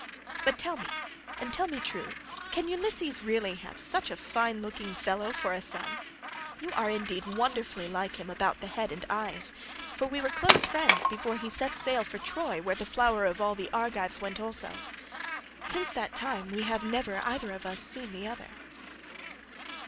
But tell me, and tell me true, can Ulysses really have such a fine looking fellow for a son? You are indeed wonderfully like him about the head and eyes, for we were close friends before he set sail for Troy where the flower of all the Argives went also. Since that time we have never either of us seen the other."